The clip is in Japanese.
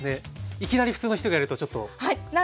いきなり普通の人がやるとちょっとね膝とか。